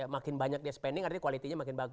makin banyak dia spending artinya quality nya makin bagus